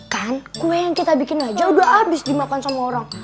kan kue yang kita bikin aja udah habis dimakan sama orang